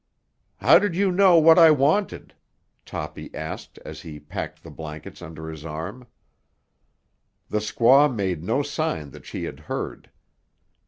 "How did you know what I wanted?" Toppy asked as he packed the blankets under his arm. The squaw made no sign that she had heard.